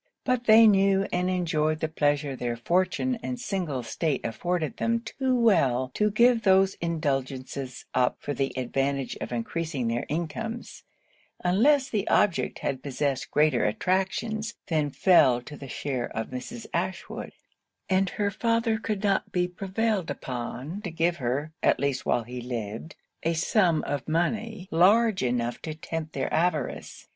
But they knew and enjoyed the pleasure their fortune and single state afforded them too well to give those indulgences up for the advantage of increasing their incomes, unless the object had possessed greater attractions than fell to the share of Mrs. Ashwood; and her father could not be prevailed upon to give her (at least while he lived) a sum of money large enough to tempt their avarice.